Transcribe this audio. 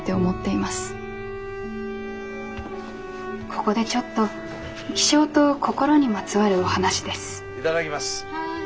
「ここでちょっと気象と心にまつわるお話です」。